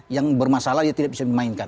yang bermasalah dia tidak bisa dimainkan